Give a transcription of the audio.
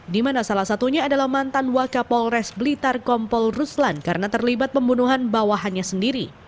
di mana salah satunya adalah mantan wakapolres blitar kompol ruslan karena terlibat pembunuhan bawahannya sendiri